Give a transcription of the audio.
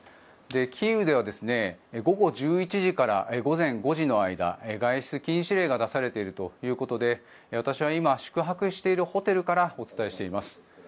キーウでは午後１１時から午前５時の間外出禁止令が出されているということで私は今、宿泊しているホテルからお伝えしています。